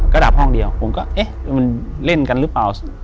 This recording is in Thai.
ก็ดับห้องเดียวผมก็เอ๊ะมันเล่นกันหรือเปล่า